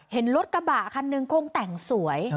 เห็นรถกระบะคันนึงคงแต่งสวย